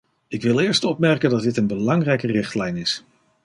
Ik wil eerst opmerken dat dit een belangrijke richtlijn is.